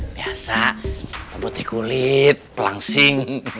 biasa membutih kulit pelangsing